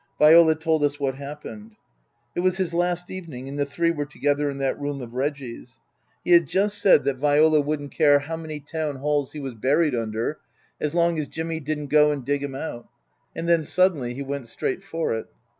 Viola told us what happened. It was his last evening, and the three were together in that room of Reggie's. He had just said that Viola 336 Tasker Jevons wouldn't care how many Town Halls he was buried under, as long as Jimmy didn't go and dig him out. And then, suddenly, he went straight for it.